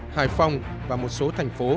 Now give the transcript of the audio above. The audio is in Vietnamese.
hải phòng và một số thành phố